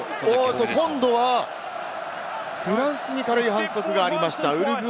今度はフランスに軽い反則がありました。